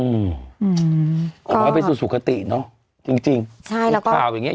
อืมขอบความว่าเป็นสุขสุขติเนอะจริงจริงใช่แล้วก็ถูกข่าวอย่างเงี้ย